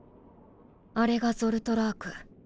あれがゾルトラーク。